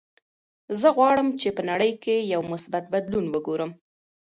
زه غواړم چې په نړۍ کې یو مثبت بدلون وګورم.